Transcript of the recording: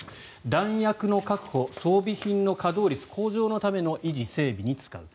弾薬の確保装備品の稼働率向上のための維持整備に使う。